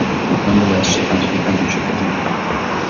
Nonetheless, she finds companionship in him.